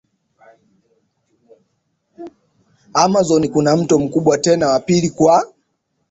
Amazon kuna mto mkubwa tena wa pili kwa